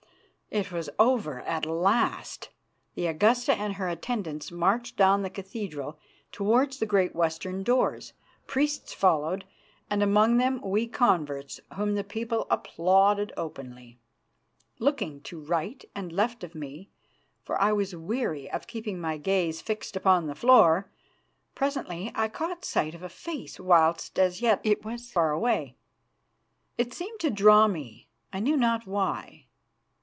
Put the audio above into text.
It was over at last. The Augusta and her attendants marched down the cathedral towards the great western doors, priests followed, and, among them, we converts, whom the people applauded openly. Looking to right and left of me, for I was weary of keeping my gaze fixed upon the floor, presently I caught sight of a face whilst as yet it was far away. It seemed to draw me, I knew not why.